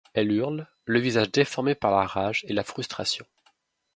Elle hurle, le visage déformé par la rage et la frustration.